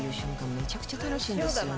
めちゃくちゃ楽しいんですよね